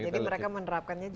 jadi mereka menerapkannya disini